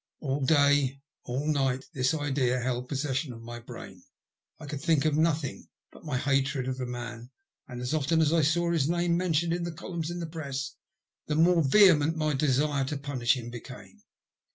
All day and all night this idea held possession of my brain. I could think of nothing but my hatred of the man, and as often as I saw his name mentioned in the columns of the Press, the more vehement my desire to punish him became.